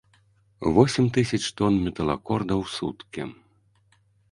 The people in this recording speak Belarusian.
Восем тысяч тон металакорда ў суткі!